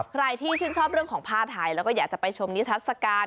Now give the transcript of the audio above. ใครที่ชื่นชอบเรื่องของผ้าไทยแล้วก็อยากจะไปชมนิทัศกาล